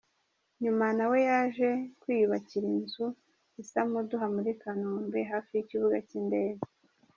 Nyuma nawe yaje kwiyubakira inzu i Samuduha muri Kanombe hafi y’ikibuga cy’indege.